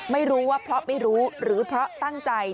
ไม่รู้ว่าเพราะไม่รู้หรือเพราะตั้งใจ